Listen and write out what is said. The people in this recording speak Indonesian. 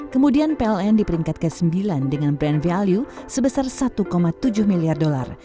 kemudian pln di peringkat ke sembilan dengan brand value sebesar satu tujuh miliar dolar